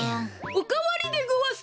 おかわりでごわす！